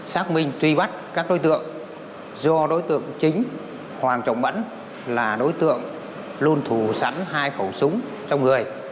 xác minh truy bắt các đối tượng do đối tượng chính hoàng trọng mẫn là đối tượng luôn thù sẵn hai khẩu súng trong người